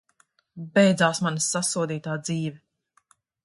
Beidzās mana sasodītā dzīve!